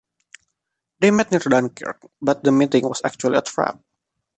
They met near Dunkirk, but the meeting was actually a trap.